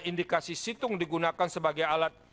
indikasi situng digunakan sebagai alat